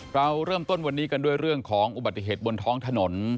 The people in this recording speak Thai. เราเริ่มต้นวันนี้กันด้วยเรื่องของอุบัติเหตุบนท้องถนน